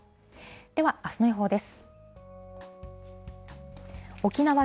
では、あすの予報です。